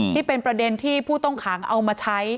ที่เป็นประเด็นที่ผู้ต้องขังเอามาใช้